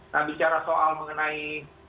nah bicara soal mengenai